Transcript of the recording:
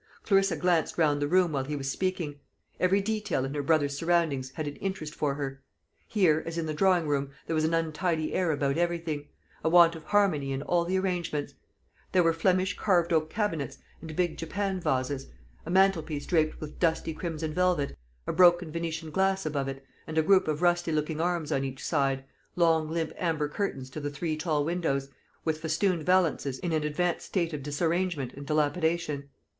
Clarissa glanced round the room while he was speaking. Every detail in her brother's surroundings had an interest for her. Here, as in the drawing room, there was an untidy air about everything a want of harmony in all the arrangements. There were Flemish carved oak cabinets, and big Japan vases; a mantelpiece draped with dusty crimson velvet, a broken Venetian glass above it, and a group of rusty looking arms on each side; long limp amber curtains to the three tall windows, with festooned valances in an advanced state of disarrangement and dilapidation.